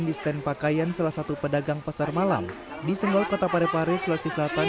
di stand pakaian salah satu pedagang pasar malam di senggol kota parepare sulawesi selatan